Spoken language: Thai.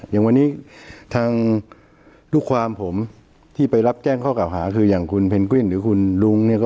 อย่างวันนี้ทางลูกความผมที่ไปรับแจ้งข้อเก่าหาคืออย่างคุณเพนกวินหรือคุณลุงเนี่ย